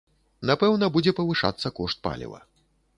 Напэўна будзе павышацца кошт паліва.